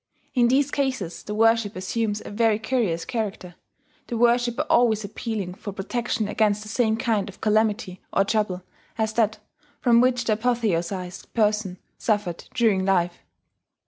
In these cases the worship assumes a very curious character, the worshipper always appealing for protection against the same kind of calamity or trouble as that from which the apotheosized person suffered during life.